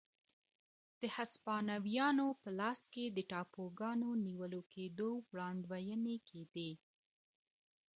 د هسپانویانو په لاس د ټاپوګانو نیول کېدو وړاندوېنې کېدې.